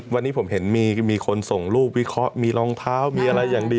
วันนี้ผมเห็นมีคนส่งรูปวิเคราะห์มีรองเท้ามีอะไรอย่างดี